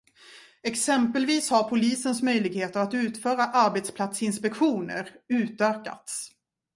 Exempelvis har polisens möjligheter att utföra arbetsplatsinspektioner utökats.